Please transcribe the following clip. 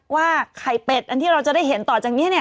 ว่าไข่เป็ดอันที่เราจะได้เห็นต่อจากนี้